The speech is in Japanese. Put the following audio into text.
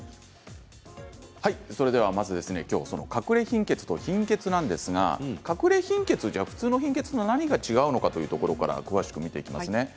それではまずかくれ貧血と貧血なんですがかくれ貧血、普通の貧血と何が違うのかというところから詳しく見ていきますね。